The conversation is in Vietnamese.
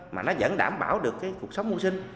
mà nó vẫn đảm bảo được cuộc sống mua sinh